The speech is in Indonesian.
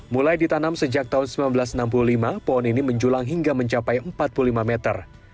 mulai ditanam sejak tahun seribu sembilan ratus enam puluh lima pohon ini menjulang hingga mencapai empat puluh lima meter